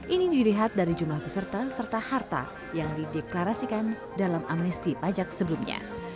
ini dilihat dari jumlah peserta serta harta yang dideklarasikan dalam amnesti pajak sebelumnya